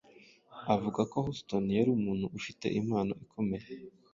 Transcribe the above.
Avuga ko Houston yari umuntu ufite impano ikomeye